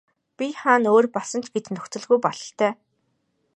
Бие хаа нь өөр болсон ч гэж нөхцөлгүй бололтой.